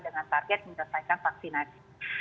dengan target menyelesaikan vaksinasi